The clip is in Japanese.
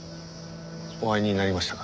お会いになりましたか？